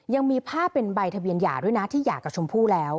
ยังมีภาพเป็นใบทะเบียนหย่าด้วยนะที่หย่ากับชมพู่แล้ว